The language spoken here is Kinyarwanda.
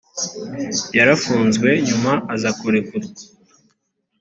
yarafunzwe nyuma aza kurekurwa .